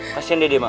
kasian deden mak